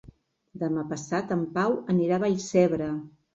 Demà passat en Pau anirà a Vallcebre.